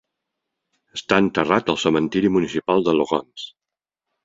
Està enterrat al cementiri municipal de Laurens.